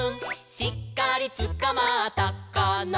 「しっかりつかまったかな」